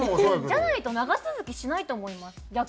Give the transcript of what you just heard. じゃないと長続きしないと思います逆に。